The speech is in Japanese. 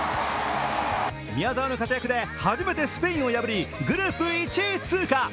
宮澤の活躍で初めてスペインを破り、グループ１位通過。